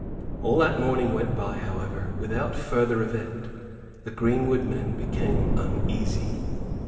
All that morning went by, however, without further event. The greenwood men became uneasy.